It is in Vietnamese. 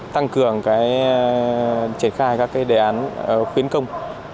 tăng cường triển khai các đề án khuyến công